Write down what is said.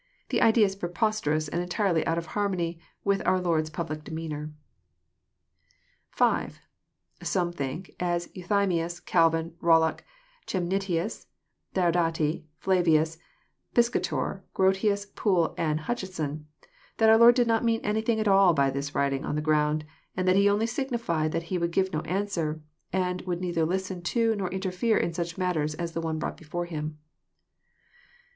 The idea is prepos terous, and entirely out of harmony with our Lord's public demeanour. (5) Some think, as Euthymius, Calvin, Rollock, Chemnitius, Diodati, Flavins, Piscator, Grotius, Poole, and Hutcheson, that our Lord did not mean anything at all by this writing on the ground, and that ffe only signified that He would give no answer, and would neither listen to nor interfere in such matters as the one brought before Him.